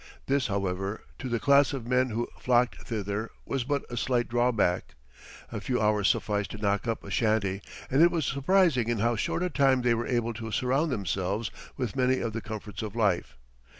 This, however, to the class of men who flocked thither, was but a slight drawback. A few hours sufficed to knock up a shanty, and it was surprising in how short a time they were able to surround themselves with many of the comforts of life.